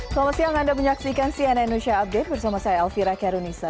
selamat siang anda menyaksikan cnn indonesia update bersama saya elvira karunisa